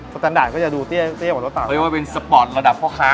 สตรันดันก็จะดูเทียบอถเป็นสปอร์ตระดับข้า